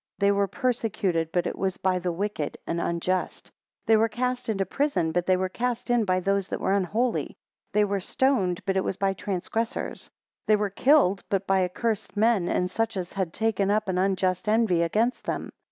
4 They were persecuted, but it was by the wicked and unjust. 5 They were cast into prison, but they were cast in by those that were unholy. 6 They were stoned, but it was by transgressors. 7 They were killed, but by accursed men, and such as had taken up an unjust envy against them.